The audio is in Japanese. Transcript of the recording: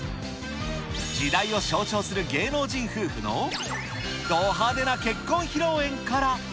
時代を象徴する芸能人夫婦のど派手な結婚披露宴から。